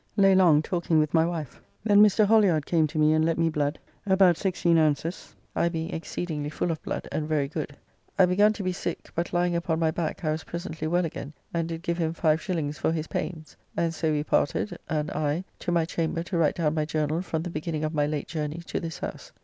Lay long talking with my wife, then Mr. Holliard came to me and let me blood, about sixteen ounces, I being exceedingly full of blood and very good. I begun to be sick; but lying upon my back I was presently well again, and did give him 5s. for his pains, and so we parted, and I, to my chamber to write down my journall from the beginning of my late journey to this house.